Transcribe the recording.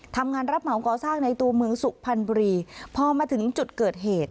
ทำงานรับเหมากอสร้างในตัวมือสุขพันบุรีพอมาถึงจุดเกิดเหตุ